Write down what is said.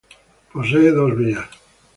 Posee dos vías.